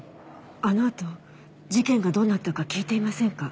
あの後事件がどうなったか聞いていませんか？